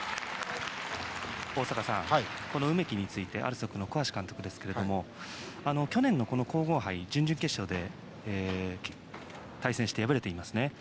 大坂さん、梅木についてＡＬＳＯＫの小橋監督ですが去年の皇后杯準々決勝で対戦して敗れていますね。